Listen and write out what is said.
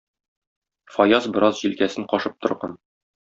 Фаяз бераз җилкәсен кашып торган